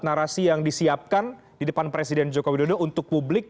narasi yang disiapkan di depan presiden joko widodo untuk publik